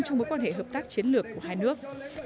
trong mối quan hệ hợp tác chiến lược của hai nước